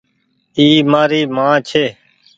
اي مآري مان ڇي۔